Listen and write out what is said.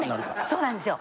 そうなんですよ。